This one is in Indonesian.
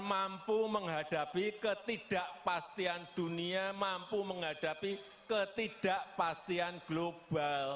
mampu menghadapi ketidakpastian dunia mampu menghadapi ketidakpastian global